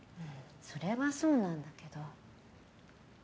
それはそうなんだけど。